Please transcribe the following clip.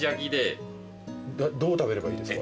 どう食べればいいですか？